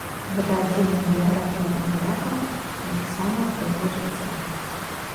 Гэта адзіная біяграфія імператара, напісаная пры яго жыцці.